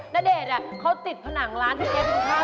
ณเดชน์เขาติดผนังร้านที่เจ๊ทิ้งข้าวหัว